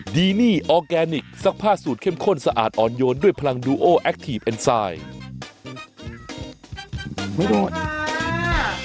ดีนี่ออร์แกนิคซักผ้าสูตรเข้มข้นสะอาดอ่อนโยนด้วยพลังดูโอแอคทีฟเอ็นไซด์